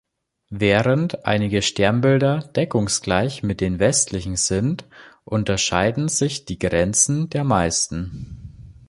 Während einige Sternbilder deckungsgleich mit den westlichen sind, unterscheiden sich die Grenzen der meisten.